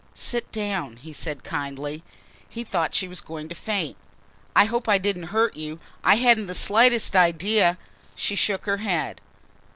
"Sit down," he said kindly. He thought she was going to faint. "I hope I didn't hurt you? I hadn't the slightest idea " She shook her head.